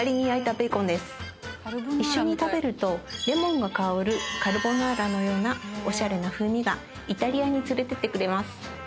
一緒に食べるとレモンが香るカルボナーラのようなおしゃれな風味がイタリアに連れてってくれます。